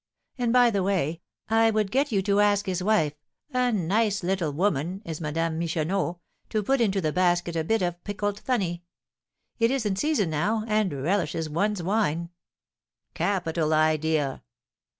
And, by the way, I would get you to ask his wife a nice little woman is Madame Michonneau to put into the basket a bit of pickled thunny. It is in season now, and relishes one's wine." "Capital idea!"